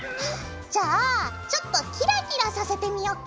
じゃあちょっとキラキラさせてみよっか！